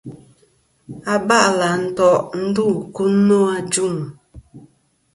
Aba'lɨ à nto' ndu ku no.